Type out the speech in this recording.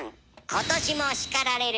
今年も叱られる。